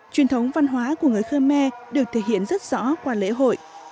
truyền thống văn hóa của người khmer được thể hiện rất rõ qua lễ hội